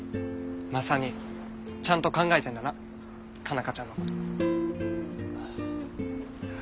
マサ兄ちゃんと考えてんだな佳奈花ちゃんのこと。